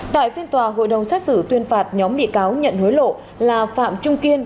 tại phiên tòa hội đồng xét xử tuyên phạt nhóm bị cáo nhận hối lộ là phạm trung kiên